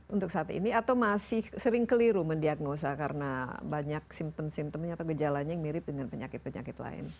untuk saat ini atau masih sering keliru mendiagnosa karena banyak simptom simptomnya atau gejalanya yang mirip dengan penyakit penyakit lain